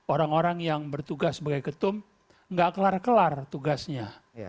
orang orang yang bertugas sebagai ketum nggak kelar kelar tugasnya